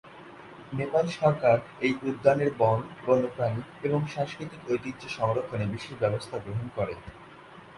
নেপাল সরকার এই উদ্যানের বন, বন্যপ্রাণী এবং সাংস্কৃতিক ঐতিহ্য সংরক্ষণে বিশেষ ব্যবস্থা গ্রহণ করে।